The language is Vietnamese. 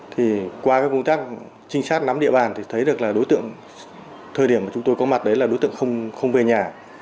thì qua các công tác trinh sát nắm địa bàn thì thấy được là đối tượng thời điểm mà chúng tôi có mặt đấy là đối tượng không về nhà